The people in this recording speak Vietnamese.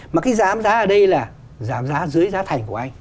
mà cái giảm giá ở đây là giảm giá dưới giá thành của anh